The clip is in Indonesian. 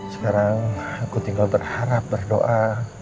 sekarang aku tinggal berharap berdoa